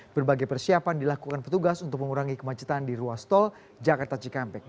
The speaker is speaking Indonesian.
berbagai persiapan dilakukan petugas untuk mengurangi kemacetan di ruas tol jakarta cikampek